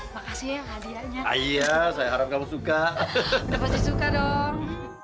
makasih ya hadiahnya ayah saya harap kamu suka kamu pasti suka dong